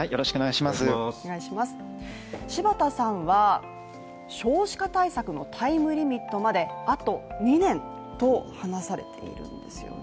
柴田さんは、少子化対策のタイムリミットまであと２年と話されているんですよね。